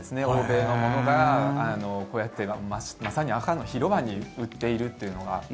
欧米のものがこうやってまさに赤の広場に売っているというのが。